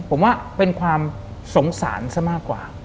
ผมว่าเป็นความสงสารซะมากกว่า